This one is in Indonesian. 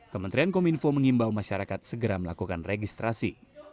kementerian kominfo mengimbau masyarakat segera melakukan registrasi